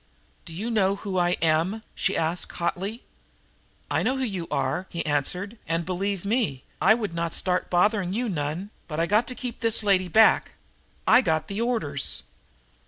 "Do you know who I am?" she asked hotly. "I know who you are," he answered, "and, believe me, I would not start bothering you none, but I got to keep this lady back. I got the orders."